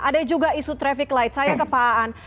ada juga isu traffic light saya ke paaan